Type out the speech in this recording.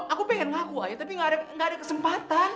aku pengen ngaku aja tapi gak ada kesempatan